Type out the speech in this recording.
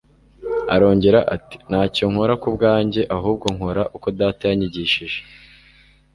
Arongera ati : "Ntacyo nkora ku bwanjye, ahubwo nkora uko Data yanyigishije,